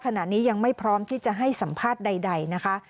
ขณะนี้ยังไม่พร้อมที่จะให้สัมภาษณ์ใดนะคะ